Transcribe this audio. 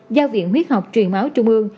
giao viện huyết học truyền máu trung ương